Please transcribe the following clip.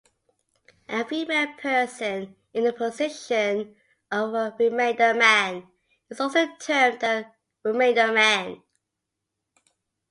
A female person in the position of a remainderman is also termed a "remainderman".